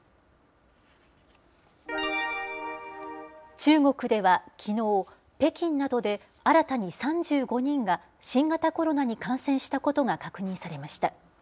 中国ではきのう、北京などで新たに３５人が新型コロナに感染したことが確認されました。